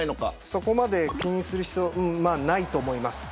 そこまで気にする必要はないと思います。